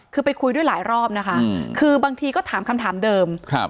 คือไปคุยด้วยหลายรอบนะคะคือบางทีก็ถามคำถามเดิมครับ